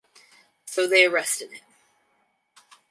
So they arrested him.